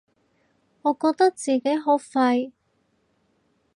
我覺得自己好廢